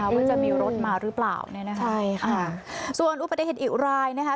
ว่าจะมีรถมาหรือเปล่าใช่ค่ะส่วนอุปัติเหตุอิ๋วรายนะคะ